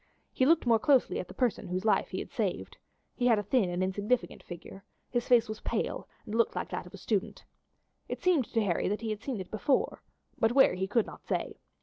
He looked more closely at the person whose life he had saved. He had a thin and insignificant figure his face was pale and looked like that of a student. It seemed to Harry that he had seen it before, but where he could not say.